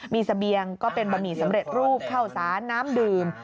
มีเสบียงก็เป็นบะหมี่สำเร็จรูปเข้าสารน้ำดื่ม